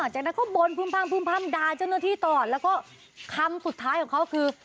จากนั้นเขาบนพุ่มพังดาเจ้านักธิตอดแล้วก็คำสุดท้ายของเขาคือ